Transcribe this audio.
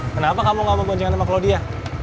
kenapa kamu gak mau bonjangan sama claudia